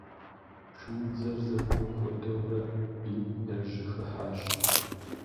Шуудзэр зэрыкӏуэм хуэдэурэ бийм яжьэхыхьащ.